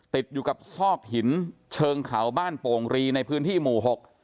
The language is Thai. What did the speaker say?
ติดอยู่กับซอกหินเชิงเขาบ้านโป่งรีในพื้นที่หมู่หก